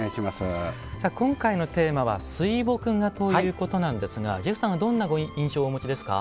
さあ今回のテーマは「水墨画」ということなんですがジェフさんはどんな印象をお持ちですか？